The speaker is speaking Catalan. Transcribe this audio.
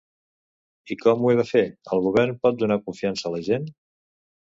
I com ho ha de fer, el govern, per donar confiança a la gent?